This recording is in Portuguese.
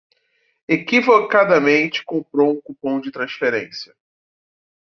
Equivocadamente comprou um cupom de transferência